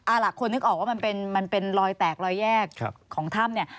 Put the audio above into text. เอาล่ะคนนึกออกว่ามันเป็นรอยแตกรอยแยกของถ้ำเนี่ย